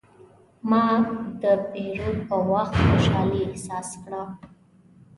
ما د پیرود په وخت خوشحالي احساس کړه.